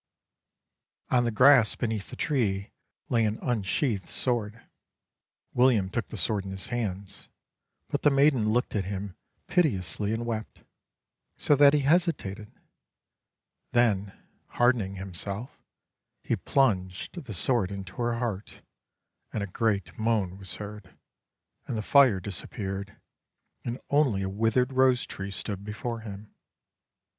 On the grass beneath the tree lay an unsheathed sword. William took the sword in his hands, but the maiden looked at him piteously and wept, so that he hesitated; then, hardening himself, he plunged the sword into her heart and a great moan was heard, and the fire disappeared, and only a withered rose tree stood before him.